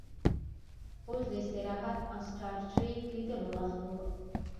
اوس د استراحت او سټار ټریک لیدلو وخت و